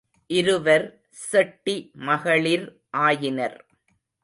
இருவர் செட்டி மகளிர் ஆயினர்.